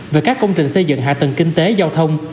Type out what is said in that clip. về các công trình xây dựng hạ tầng kinh tế giao thông